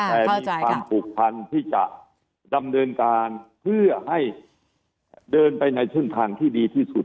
แต่มีความผูกพันที่จะดำเนินการเพื่อให้เดินไปในเส้นทางที่ดีที่สุด